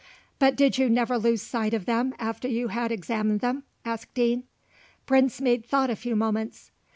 "But did you never lose sight of them after you had examined them?" asked Deane. Brinsmead thought a few moments.